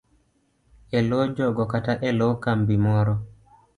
e lo jogo kata e lo kambi moro.